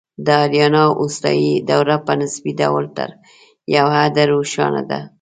د آریانا اوستایي دوره په نسبي ډول تر یو حده روښانه ده